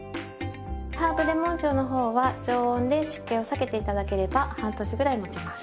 ハーブレモン塩の方は常温で湿気を避けて頂ければ半年ぐらいもちます。